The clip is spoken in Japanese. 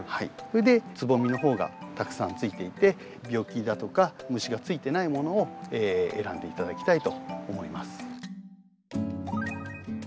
それでつぼみの方がたくさんついていて病気だとか虫がついてないものを選んで頂きたいと思います。